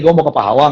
gua mau ke pahawang